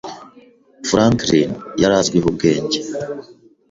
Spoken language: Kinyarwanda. Franklin yari azwiho ubwenge.